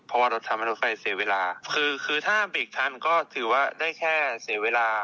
เพราะว่ารถทางรถไฟเสียเวลา